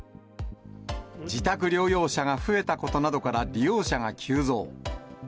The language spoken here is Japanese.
自宅療養者が増えたことなどから、利用者が急増。